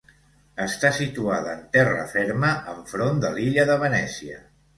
Està situada en terra ferma, enfront de l'illa de Venècia.